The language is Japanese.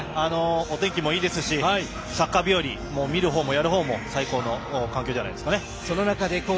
お天気もいいですしサッカー日和見るほうも、やるほうも最高の環境です。